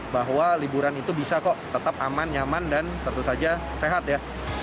bahwa liburan itu bisa kok tetap aman nyaman dan tentu saja sehat ya